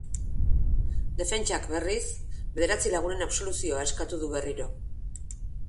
Defentsak, berriz, bederatzi lagunen absoluzioa eskatu du berriro.